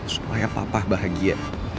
supaya papa bahagia